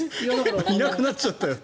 いなくなっちゃったよって。